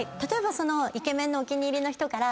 イケメンのお気に入りの人から。